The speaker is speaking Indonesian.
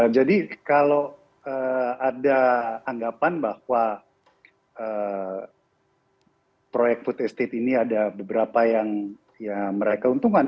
jadi kalau ada anggapan bahwa proyek putus state ini ada beberapa yang meraih keuntungan